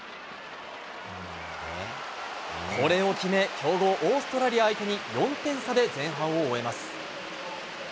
これを決め強豪オーストラリア相手に４点差で前半を終えます。